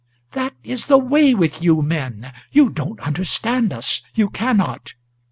That is the way with you men; you don't understand us, you cannot.